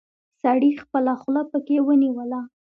سړي خپله خوله پکې ونيوله.